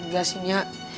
gak sih nya